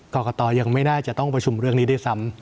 กรกตยังไม่น่าจะต้องประชุมเรื่องนี้ด้วยซ้ำ